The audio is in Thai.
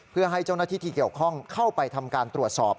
เพื่อให้เจ้าหน้าที่ที่เกี่ยวข้องเข้าไปทำการตรวจสอบ